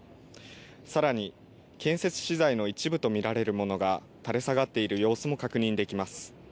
さらに建設資材の一部と見られるものが垂れ下がっている様子も確認できます。